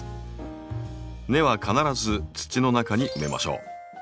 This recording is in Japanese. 根は必ず土の中に埋めましょう。